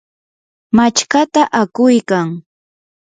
machkata akuykan.